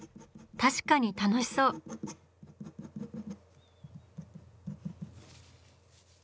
確かに楽しそう。